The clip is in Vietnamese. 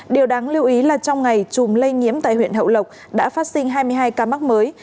điều đáng lưu ý là trong ngày chùm lây nhiễm tại huyện hậu lộc đã phát sinh hai mươi hai ca mắc mới